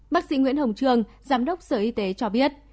bác sĩ nguyễn hồng trường giám đốc sở y tế cho biết